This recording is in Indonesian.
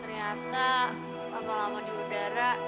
ternyata lama lama di udara